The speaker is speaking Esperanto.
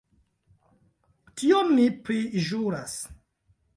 Tion mi priĵuras.